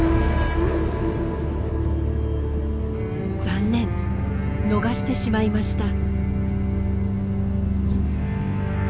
残念逃してしまいました。